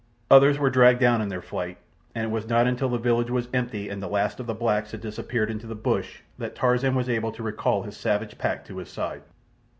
Others were dragged down in their flight, and it was not until the village was empty and the last of the blacks had disappeared into the bush that Tarzan was able to recall his savage pack to his side.